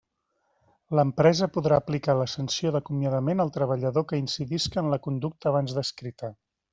L'empresa podrà aplicar la sanció d'acomiadament al treballador que incidisca en la conducta abans descrita.